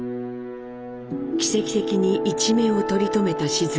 奇跡的に一命を取り留めた静香。